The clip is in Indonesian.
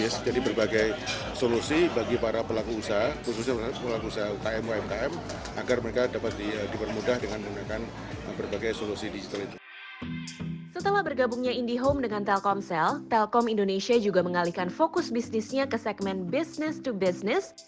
setelah bergabungnya indihome dengan telkomsel telkom indonesia juga mengalihkan fokus bisnisnya ke segmen business to business